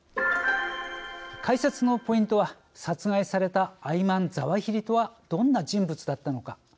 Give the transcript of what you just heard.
解説のポイントは殺害されたアイマン・ザワヒリとはどんな人物だったのか。